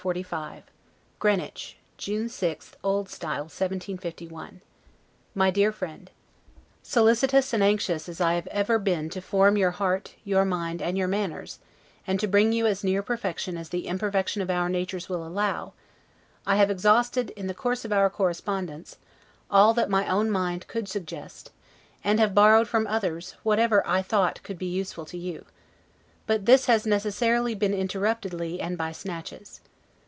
LETTER CXLV GREENWICH, June 6, O. S. 1751. MY DEAR FRIEND: Solicitous and anxious as I have ever been to form your heart, your mind, and your manners, and to bring you as near perfection as the imperfection of our natures will allow, I have exhausted, in the course of our correspondence, all that my own mind could suggest, and have borrowed from others whatever I thought could be useful to you; but this has necessarily been interruptedly and by snatches.